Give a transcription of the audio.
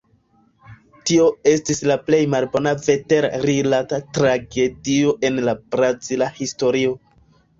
Tio estis la plej malbona veter-rilata tragedio en la brazila historio.